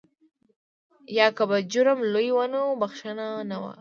یا که به جرم لوی و نو بخښنه نه وه.